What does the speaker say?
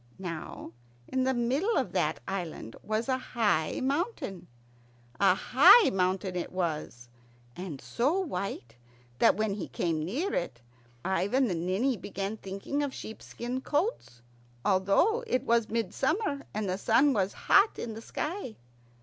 Now in the middle of that island was a high mountain, a high mountain it was, and so white that when he came near it Ivan the Ninny began thinking of sheepskin coats, although it was midsummer and the sun was hot in the sky.